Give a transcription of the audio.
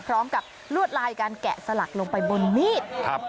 พร้อมกับลวดลายการแกะสลักลงไปบนมีด